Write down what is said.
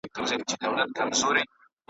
د خان ماینې ته هر څوک بي بي وایي